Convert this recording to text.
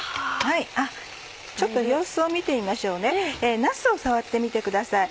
ちょっと様子を見てみましょうねなすを触ってみてください。